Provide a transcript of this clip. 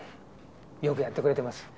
よくやってくれてます。